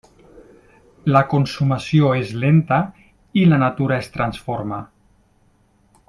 La consumació és lenta, i la natura es transforma.